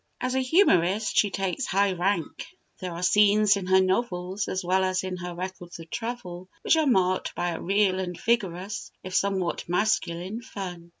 As a humorist she takes high rank: there are scenes in her novels, as well as in her records of travel, which are marked by a real and vigorous, if somewhat masculine, fun.